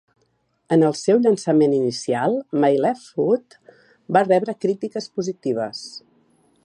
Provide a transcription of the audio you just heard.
En el seu llançament inicial, "My Left Foot" va rebre crítiques positives.